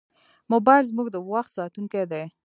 موبایل زموږ د وخت ساتونکی دی.